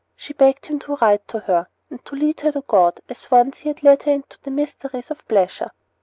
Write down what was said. She begged him to write to her, and to lead her to God, as once he had led her into the mysteries of pleasure.